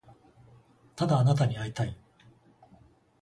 ただあなたに会いたい